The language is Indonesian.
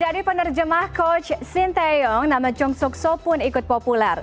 dari penerjemah coach sinteyong nama chong sok so pun ikut populer